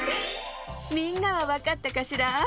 みんなはわかったかしら？